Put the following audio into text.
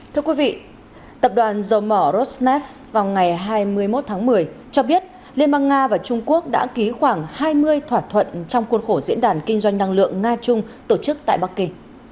thưa quý vị tập đoàn dầu mỏ rosnef vào ngày hai mươi một tháng một mươi cho biết liên bang nga và trung quốc đã ký khoảng hai mươi thỏa thuận trong khuôn khổ diễn đàn kinh doanh năng lượng nga trung tổ chức tại bắc kỳ